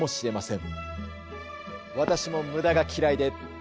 「ん？